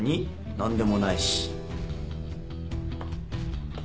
何でもないし。